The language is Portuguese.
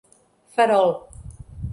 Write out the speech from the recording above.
Farol